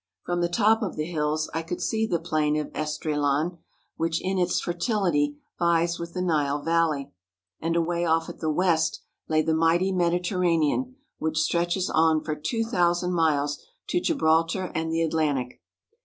From the top of the hills I could see the plain of Esdraelon, which in its fertility vies with the Nile Valley; and away off at the west lay the mighty Mediterranean, which stretches on for two thousand miles to Gibraltar and the Atlantic.